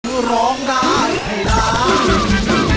คือร้องได้ให้ร้าน